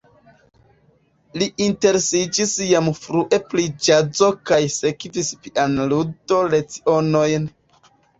Li interesiĝis jam frue pri ĵazo kaj sekvis pianludo-lecionojn.